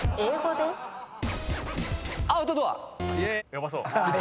ヤバそう。